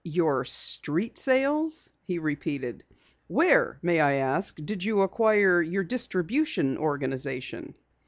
"Your street sales?" he repeated. "Where, may I ask, did you acquire your distribution organization?"